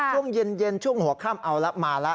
ช่วงเย็นช่วงหัวค่ำเอาละมาแล้ว